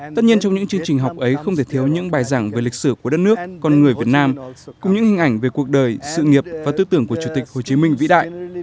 tất nhiên trong những chương trình học ấy không thể thiếu những bài giảng về lịch sử của đất nước con người việt nam cùng những hình ảnh về cuộc đời sự nghiệp và tư tưởng của chủ tịch hồ chí minh vĩ đại